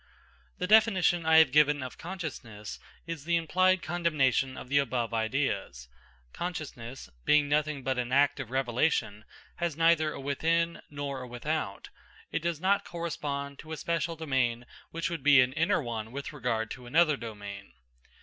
The definition I have given of consciousness is the implied condemnation of the above ideas. Consciousness, being nothing but an act of revelation, has neither a within nor a without; it does not correspond to a special domain which would be an inner one with regard to another domain.